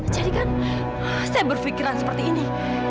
jadi kan saya berpikiran seperti ini